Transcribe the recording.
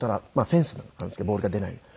フェンスなんですけどボールが出ないように。